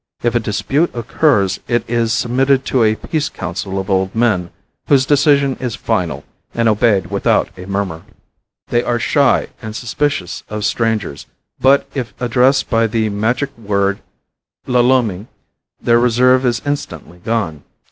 If a dispute occurs it is submitted to a peace council of old men, whose decision is final and obeyed without a murmur. They are shy and suspicious of strangers, but if addressed by the magic word lolomi, their reserve is instantly gone.